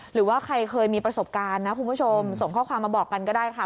หรือว่าใครเคยมีประสบการณ์นะคุณผู้ชมส่งข้อความมาบอกกันก็ได้ค่ะ